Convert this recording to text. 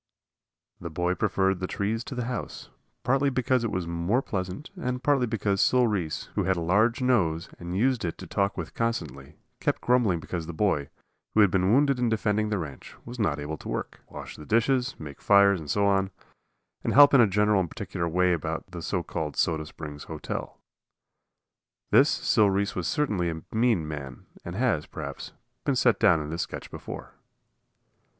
The boy preferred the trees to the house, partly because it was more pleasant and partly because Sil Reese, who had a large nose and used it to talk with constantly, kept grumbling because the boy, who had been wounded in defending the ranch, was not able to work wash the dishes, make fires and so on, and help in a general and particular way about the so called "Soda Spring Hotel." This Sil Reese was certainly a mean man, as has, perhaps, been set down in this sketch before.